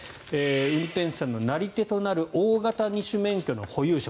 運転手さんのなり手となる大型二種免許の保有者